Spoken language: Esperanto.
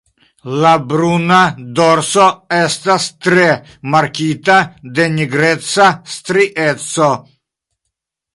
La bruna dorso estas tre markita de nigreca strieco.